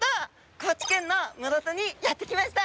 高知県の室戸にやって来ました。